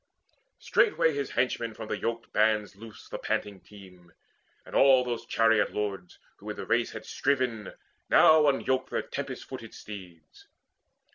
Straightway his henchmen from the yoke band loosed The panting team, and all those chariot lords, Who in the race had striven, now unyoked Their tempest footed steeds.